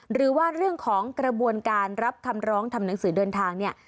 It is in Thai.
หรือว่าเรื่องของกระบวนการรับคำร้องทำหนังสือเดินทางเนี่ย